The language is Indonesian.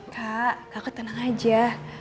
kak kakak tenang aja